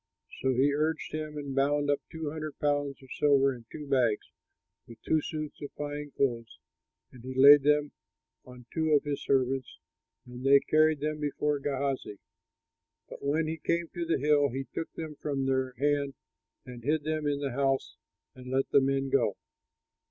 So he urged him and bound up two hundred pounds of silver in two bags, with two suits of fine clothes, and laid them on two of his servants, and they carried them before Gehazi. But when he came to the hill, he took them from their hand and hid them in the house and let the men go.